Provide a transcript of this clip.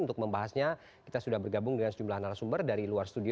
untuk membahasnya kita sudah bergabung dengan sejumlah narasumber dari luar studio